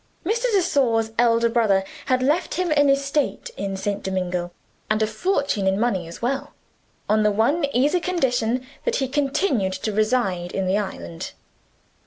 Mr. de Sor's elder brother had left him an estate in St. Domingo, and a fortune in money as well; on the one easy condition that he continued to reside in the island.